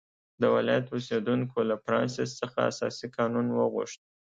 د ولایت اوسېدونکو له فرانسیس څخه اساسي قانون وغوښت.